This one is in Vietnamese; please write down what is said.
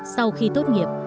sau khi tốt nghiệp